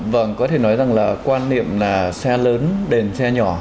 vâng có thể nói rằng là quan niệm là xe lớn đèn xe nhỏ